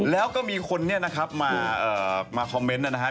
แล้วก็มีคนนี้มาคอมเมนท์